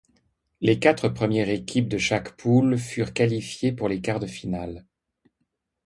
Les quatre premières équipes de chaque poule furent qualifiées pour les quarts de finale.